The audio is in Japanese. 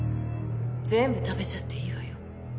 全部食べちゃっていいわよ